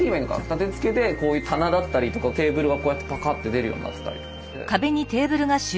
立てつけでこういう棚だったりとかテーブルがこうやってパカって出るようになってたりとかして。